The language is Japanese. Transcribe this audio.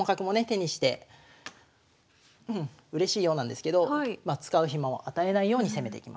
手にしてうれしいようなんですけど使う暇を与えないように攻めていきますね。